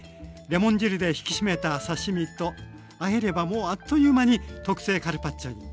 レモン汁で引き締めた刺身とあえればもうあっという間に特製カルパッチョに。